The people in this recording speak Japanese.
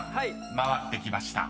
回ってきました］